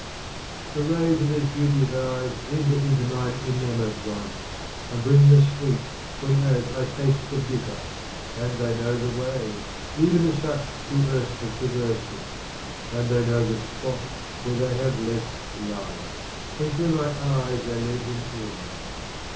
The rays of these beauteous eyes enter into mine enamoured ones, and bring the sweet whenas I taste the bitter : And they know the way, even as such who erst have traversed it ; and they know, the spot where they left love. •/. When through my eyes they led him in.